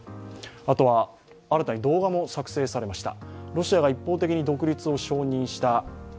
あとは、新たに動画も作成されました。